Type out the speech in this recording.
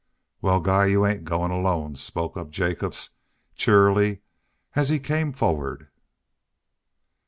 "Wal, Guy, you ain't goin' alone," spoke up Jacobs, cheerily, as he came forward.